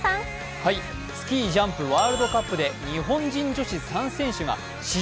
スキージャンプワールドカップで、日本人女子３選手が史上